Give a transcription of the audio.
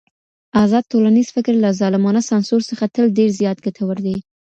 ازاد ټولنيز فکر له ظالمانه سانسور څخه تل ډېر زيات ګټور دی.